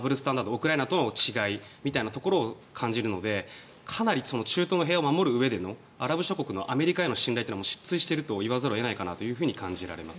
ウクライナとの違いみたいなのを感じるので、かなり中東の平和を守るうえでのアラブ諸国のアメリカへの信頼は失墜していると言わざるを得ないかと感じられます。